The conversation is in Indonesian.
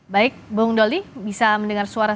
baik bung doli bisa mendengar suara